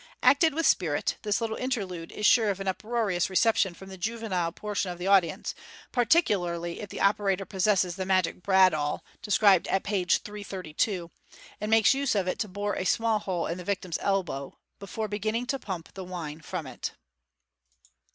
Acted with spirit, this little interlude is sure of an uproarious reception from the juvenile portion of the audience, particularly if the operator possesses the magic bradawl described at page 332, and makes use of it to bore a small hole in the victim's elbow before beginning to pump the wine from it.